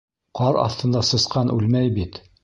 - Ҡар аҫтында сысҡан үлмәй бит.